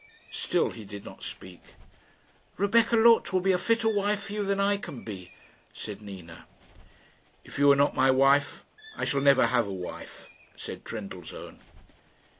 Still he did not speak. "Rebecca Loth will be a fitter wife for you than I can be," said Nina. "If you are not my wife, I shall never have a wife," said Trendellsohn.